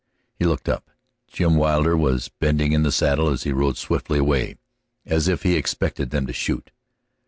He looked up. Jim Wilder was bending in the saddle as he rode swiftly away, as if he expected them to shoot.